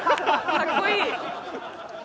かっこいい！